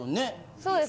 そうです。